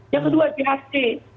yang kedua thc